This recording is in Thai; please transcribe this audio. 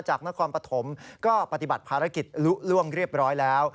นครปฐมก็ปฏิบัติภารกิจลุล่วงเรียบร้อยแล้ว